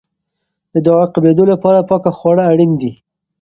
د دعا د قبلېدو لپاره پاکه خواړه اړین دي.